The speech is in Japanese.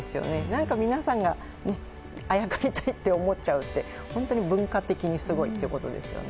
なんか皆さんがあやかりたいって思っちゃうって文化的にすごいってことですよね。